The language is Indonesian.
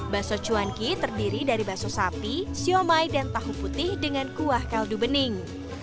bakso cuanki terdiri dari bakso sapi siomay dan tahu putih dengan kuah kaldu bening